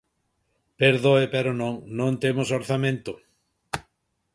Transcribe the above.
Perdoe pero non, ¡non temos orzamento!